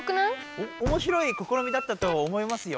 おもしろいこころみだったと思いますよ。